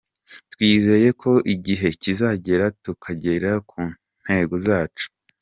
Twizeye ko igihe kizagera tukagera ku ntego zacu”.